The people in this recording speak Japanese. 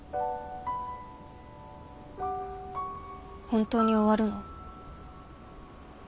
本当に終わるの？